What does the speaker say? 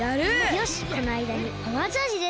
よしこのあいだにパワーチャージです。